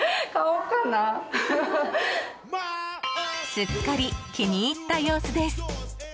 すっかり気に入った様子です。